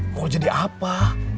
mau jadi apa